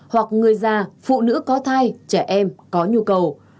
hoặc người già phụ nữ có thai trẻ em có nhu cầu